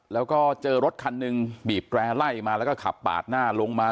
แล้วก็เจอรถคันหนึ่งบีบแร่ไล่มาแล้วก็ขับปาดหน้าลงมา